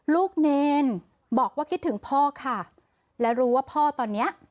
เนรบอกว่าคิดถึงพ่อค่ะและรู้ว่าพ่อตอนเนี้ย